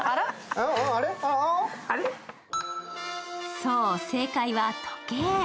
そう、正解は時計。